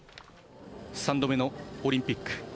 ３度目のオリンピック。